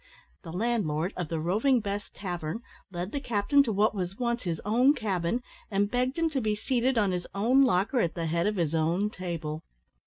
The landlord of the Roving Bess Tavern led the captain to what was once his own cabin, and begged him to be seated on his own locker at the head of his own table.